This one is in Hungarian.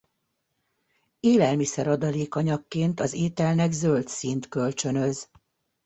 Élelmiszer-adalékanyagként az ételnek zöld színt kölcsönöz.